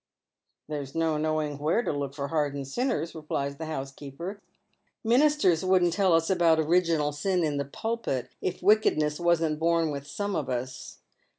"There's no knomng where to look for hardened sinners," replies the housekeeper. " Ministers wouldn't tell us about original sin in the pulpit if wickedness wasn't born with some of UP.